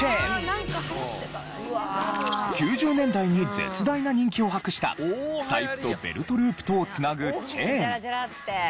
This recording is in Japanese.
９０年代に絶大な人気を博した財布とベルトループとを繋ぐチェーン。